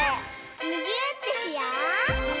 むぎゅーってしよう！